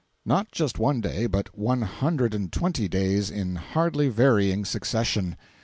Not just one day, but one hundred and twenty days in hardly varying succession.